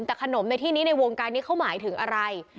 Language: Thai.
แต่ขนมในที่นี้ในวงการนี้เขาหมายถึงอะไร